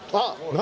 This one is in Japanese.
何？